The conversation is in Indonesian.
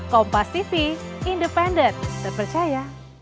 kompas tv independen terpercaya